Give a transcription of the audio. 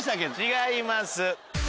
違います。